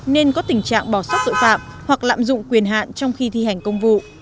nên có tình trạng bỏ sót tội phạm hoặc lạm dụng quyền hạn trong khi thi hành công vụ